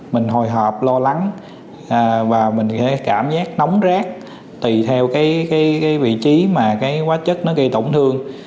mình hồi hộp lo lắng và mình sẽ cảm giác nóng rác tùy theo cái vị trí mà cái hóa chất nó gây tổn thương